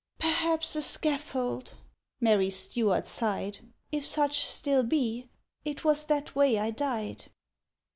"—Perhaps a scaffold!" Mary Stuart sighed, "If such still be. It was that way I died."